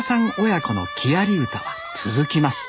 親子の木遣り歌は続きます